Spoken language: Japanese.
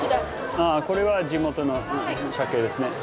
ああこれは地元のシャケですね。